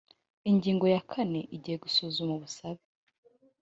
ingingo ya kane igihe gusuzuma ubusabe